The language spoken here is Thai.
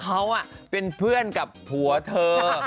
เพราะว่าเป็นเพื่อนกับผัวเธอ